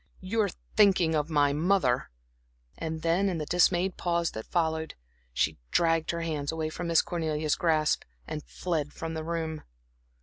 "You're thinking of my mother." And then, in the dismayed pause that followed, she dragged her hands away from Miss Cornelia's grasp and fled from the room.